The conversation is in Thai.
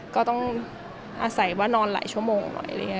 ก็ต้องอาศัยว่านอนหลายชั่วโมงหน่อย